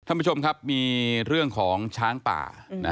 ท่านผู้ชมครับมีเรื่องของช้างป่า